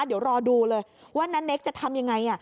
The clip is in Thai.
เดี๋ยวรอดูเลยว่าณเนคจะทำยังไง